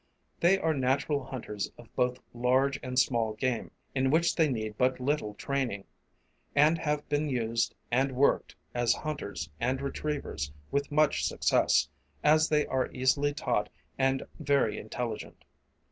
They are natural hunters of both large and small game, in which they need but little training, and have been used and worked as hunters and retrievers with much success, as they are easily taught and very intelligent.